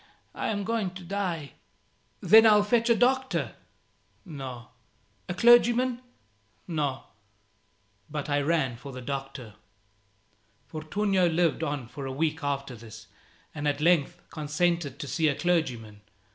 I am going to die." "Then I'll fetch a doctor." "No." "A clergyman?" "No." But I ran for the doctor. Fortunio lived on for a week after this, and at length consented to see a clergyman.